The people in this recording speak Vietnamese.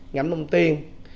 ngẫm nông tiền